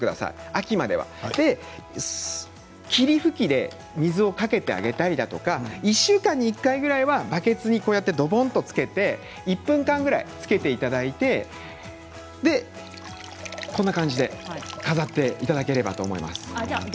秋までは霧吹きで水をかけてあげたり１週間に１回ぐらいはバケツにドボンとつけて１分間ぐらいつけていただいて飾っていただければと思います。